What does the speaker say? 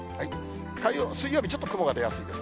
水曜日ちょっと雲が出やすいです。